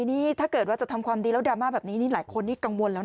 นี่ถ้าเกิดว่าจะทำความดีแล้วดราม่าแบบนี้นี่หลายคนนี่กังวลแล้วนะ